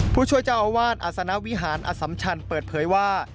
ผู้ช่วยเจ้าอาวาสอัศนวิหารอสัมชันเปิดเผยว่า